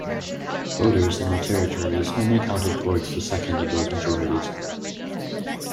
Voters in the territories only counted towards the second of those majorities.